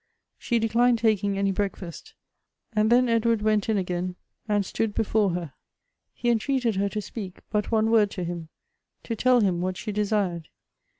She declined taking any bi eakfast, and then Edward went in again and stood before her. He entreated her to speak but one word to him ; to tell him what she desired.